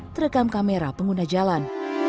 terekam kamera pengguna jalan